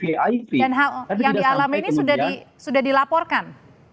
yang di alam ini sudah dilaporkan